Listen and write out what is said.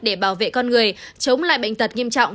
để bảo vệ con người chống lại bệnh tật nghiêm trọng